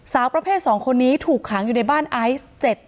สาวประเภท๒คนนี้ถูกขังอยู่ในบ้านไอซ์